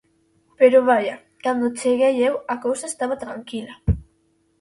Pero, vaia, cando cheguei eu a cousa estaba tranquila.